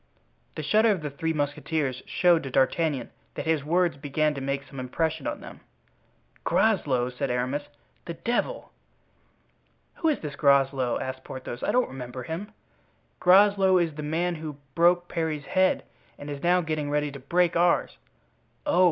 The shudder of the three musketeers showed to D'Artagnan that his words began to make some impression on them. "Groslow!" said Aramis; "the devil! "Who is this Groslow?" asked Porthos. "I don't remember him." "Groslow is the man who broke Parry's head and is now getting ready to break ours." "Oh!